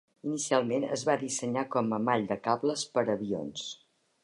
Inicialment es van dissenyar com mall de cables per a avions.